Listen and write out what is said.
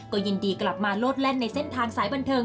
ก็ยินดีกลับมาโลดแล่นในเส้นทางสายบันเทิง